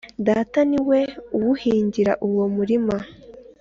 Data ni we uwuhingira uwo murima